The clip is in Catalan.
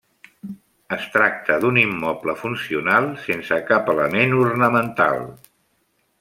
Es tracta d'un immoble funcional, sense cap element ornamental.